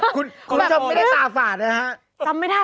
คุณผู้ชมไม่ได้ตาฝาดนะฮะ